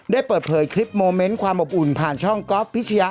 ได้เปิดเผยคลิปโมเมนต์ความอบอุ่นผ่านช่องก๊อฟพิชยา